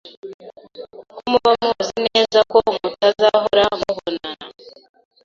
Kuko muba muzi neza ko mutazahora mubonana